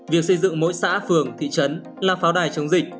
việc xây dựng mỗi xã phường thị trấn là pháo đài chống dịch